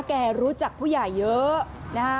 พี่แกบอกว่าคุณผู้ชมไปดูคลิปนี้กันหน่อยนะฮะ